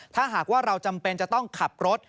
ถ้าหากว่าเราจำเป็นจะต้องขับรถ